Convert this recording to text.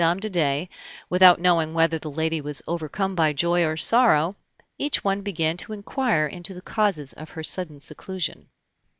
de Dey (without knowing whether the lady was overcome by joy or sorrow), each one began to inquire into the causes of her sudden seclusion.